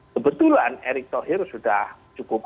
kebetulan erick thohir sudah cukup